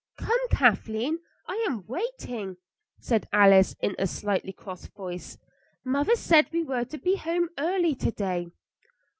"Come, Kathleen; I am waiting," said Alice in a slightly cross voice. "Mother said we were to be home early to day."